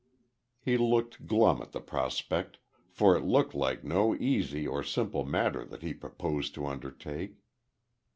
He looked glum at the prospect, for it looked like no easy or simple matter that he proposed to undertake.